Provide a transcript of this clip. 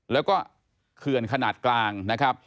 แล้วก็เขื่อนขนาดกลางนะครับ